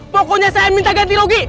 pokoknya saya minta ganti rugi